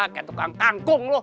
kayak tukang kangkung lu